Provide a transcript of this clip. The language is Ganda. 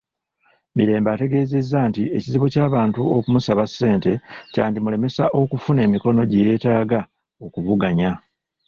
Mirembe ategeezezza nti ekizibu ky'abantu okumusaba ssente kyandimulemesa okufuna emikono gye yeetaaga okuvuganya.